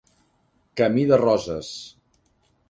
Camí de roses